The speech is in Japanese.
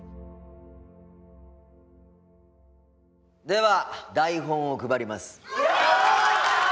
では台本を配ります。